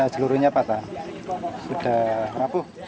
jelurunya patah sudah rapuh